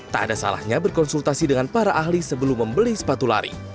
tak ada salahnya berkonsultasi dengan para ahli sebelum membeli sepatu lari